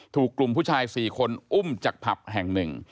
ถูกกลุ่มผู้ชาย๔คนอุ้มจากผับแห่งหนึ่ง